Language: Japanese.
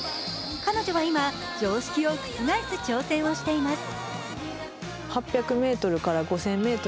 彼女は今、常識を覆す挑戦をしています。